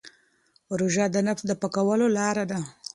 روژه د نفس د پاکوالي لاره ده.